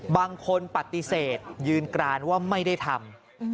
บางคนปฏิเสธยืนกรานว่าไม่ได้ทำ